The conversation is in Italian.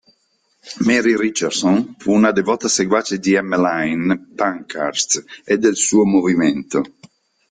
Mary Richardson fu una devota seguace di Emmeline Pankhurst e del suo movimento.